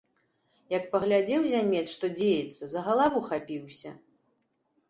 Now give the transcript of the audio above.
Як паглядзеў зямец, што дзеецца, за галаву хапіўся!